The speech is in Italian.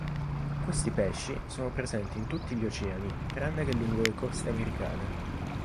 Questi pesci sono presenti in tutti gli oceani tranne che lungo le coste americane.